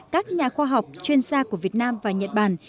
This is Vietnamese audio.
các nhà khoa học chuyên gia của việt nam và nhật bản